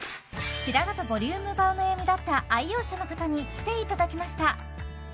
白髪とボリュームがお悩みだった愛用者の方に来ていただきました